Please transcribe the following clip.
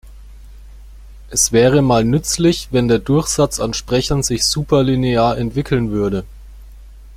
Es wäre mal nützlich, wenn der Durchsatz an Sprechern sich superlinear entwickeln würde.